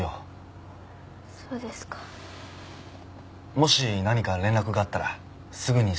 もし何か連絡があったらすぐに知らせるから。